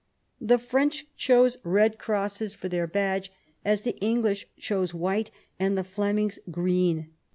The French chose red crosses for their badge, as the English chose white and the Flemings green.